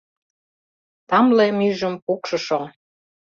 Тамле мӱйжым пукшышо